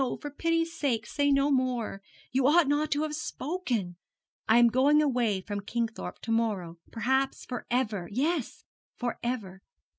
For pity's sake, say no more. You ought not to have spoken. I am going away from Kingthorpe to morrow, perhaps for ever. Yes, for ever.